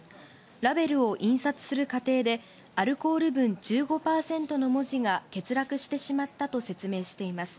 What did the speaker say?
ラベルを印刷する過程で、アルコール分１５％の文字が欠落してしまったと説明しています。